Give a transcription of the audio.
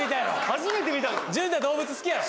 初めて見た淳太動物好きやろ？